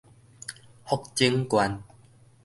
福井縣